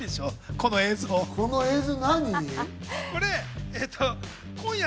この映像。